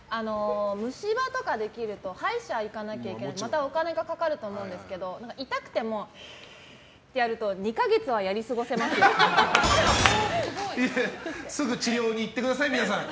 虫歯とかできると歯医者とかに行かなきゃいけなくてまたお金がかかると思うんですけど痛くても、シーってやるとすぐ治療に行ってください皆さん。